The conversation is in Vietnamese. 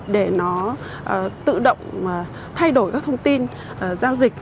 để nó tự động thay đổi các thông tin giao dịch